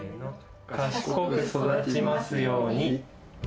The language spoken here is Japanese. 賢く育ちますように。